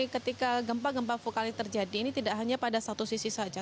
ketika gempa gempa vokali terjadi ini tidak hanya pada satu sisi saja